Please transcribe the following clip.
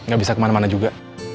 gak bisa kemana mana juga